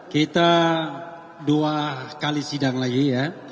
kita dua kali sidang lagi ya